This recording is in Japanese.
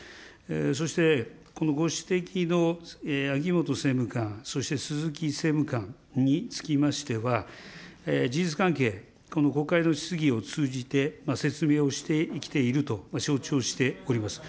そしてこのご指摘の秋本政務官、そして鈴木政務官につきましては、事実関係、この国会の質疑を通じて、説明をしてきていると承知をしております。